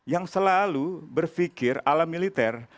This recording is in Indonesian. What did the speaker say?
yang selalu berpikir ala militer